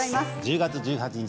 １０月１８日